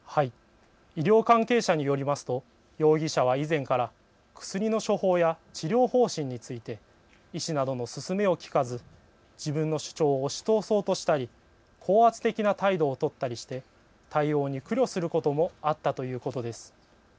医療関係者によりますと容疑者は以前から薬の処方や治療方針について医師などの勧めを聞かず自分の主張を押し通そうとしたり高圧的な態度を取ったりして対応に苦慮することもあったということです。